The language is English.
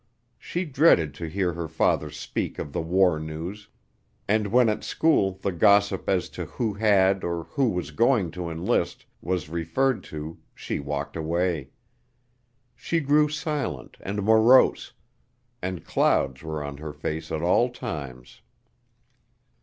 She dreaded to hear her father speak of the war news, and when at school the gossip as to who had or who was going to enlist was referred to she walked away. She grew silent and morose, and clouds were on her face at all times.